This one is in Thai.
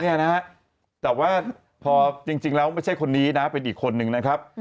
เนี่ยนะแต่ว่าพอจริงแล้วไม่ใช่คนนี้นะเป็นอีกคนนึงนะครับ